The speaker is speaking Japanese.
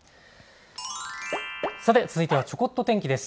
さて続いてはちょこっと天気です。